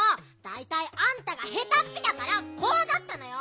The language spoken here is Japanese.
だいたいあんたが下手っぴだからこうなったのよ！